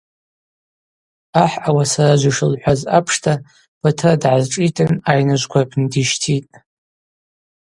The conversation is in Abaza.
Ахӏ ауасаражв йшылхӏваз апшта Батыр дгӏазшӏитын айныжвква рпны дищтитӏ.